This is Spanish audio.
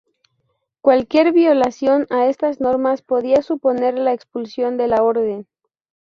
Cualquier violación a estas normas podía suponer la expulsión de la orden.